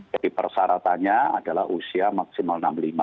jadi persyaratannya adalah usia maksimal enam puluh lima